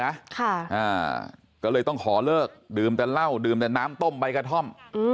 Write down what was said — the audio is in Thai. และกำลังจากนี้ก็เข้าขอเลิกดื่มแต่เกาะดื่มแต่น้ำต้มบายกระท่อม